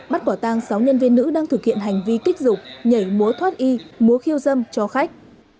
bắt quả tang sáu nhân viên nữ đang thực hiện hành vi kích dục nhảy múa thoát y múa khiêu dâm cho khách